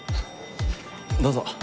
どうぞ。